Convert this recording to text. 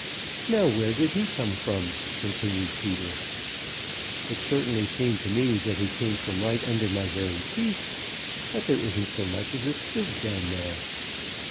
"Now where did he come from?" continued Peter. "It certainly seemed to me that he came from right under my very feet, but there isn't so much as a twig down there."